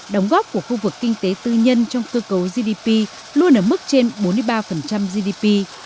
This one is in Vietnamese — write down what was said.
đóng góp của khu vực kinh tế tư nhân trong cơ cấu gdp luôn ở mức trên bốn mươi ba gdp